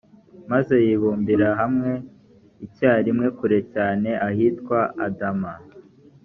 maze yibumbira hamwe icyarimwe kure cyane ahitwa adama